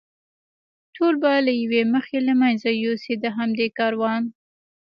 ټول به له یوې مخې له منځه یوسي، د همدې کاروان.